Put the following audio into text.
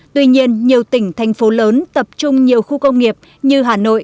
tuy nhiên nhiều tỉnh thành phố lớn tập trung nhiều khu công nghiệp như hà nội